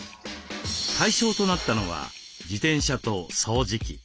対象となったのは自転車と掃除機。